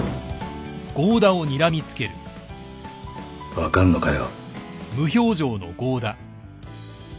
分かんのかよ。